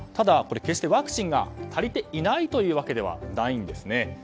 決してワクチンが足りていないという訳ではないんです。